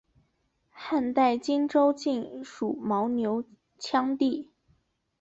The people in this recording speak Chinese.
汉代今州境属牦牛羌地。